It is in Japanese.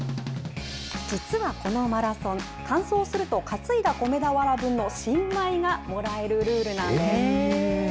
実は、このマラソン、完走すると、担いだ米俵分の新米がもらえるルールなんです。